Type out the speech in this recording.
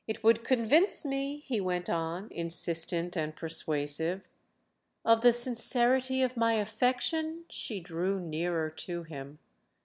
"It would convince me," he went on, insistent and persuasive. "Of the sincerity of my affection?"—she drew nearer to him.